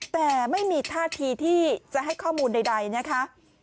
แต่ไม่มีท่าทีที่จะให้ข้อมูลใดนะคะ